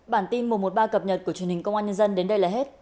bản tin mùa một ba cập nhật của truyền hình công an nhân dân đến đây là hết